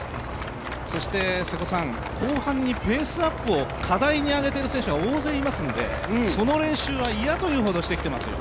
そして瀬古さん、後半にペースアップを課題に挙げている選手が大勢いますのでその練習は嫌というほどしてきていますよ。